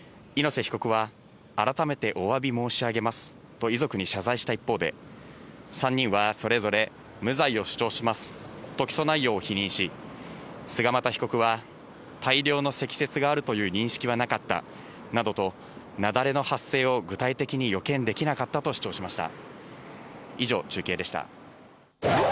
猪瀬被告は、改めておわび申し上げますと遺族に謝罪した一方で、３人はそれぞれ、無罪を主張しますと、起訴内容を否認し、菅又被告は大量の積雪があるという認識はなかったなどと、雪崩の発生を具体的に予見できなかったと主張しました。